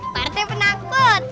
pak rete penakut